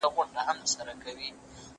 زه کتابتون ته نه ځم!.